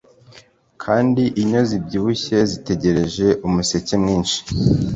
Kandi inyo zibyibushye zitegereje umusekemwinshi